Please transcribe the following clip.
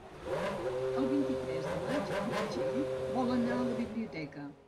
El vint-i-tres de maig na Txell vol anar a la biblioteca.